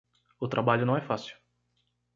O trabalho não é fácil